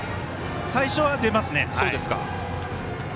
最初は出ますね。